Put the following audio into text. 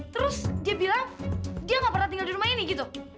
terus dia bilang dia gak pernah tinggal di rumah ini gitu